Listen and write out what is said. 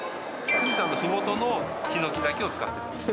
富士山のふもとのひのきだけを使ってるんです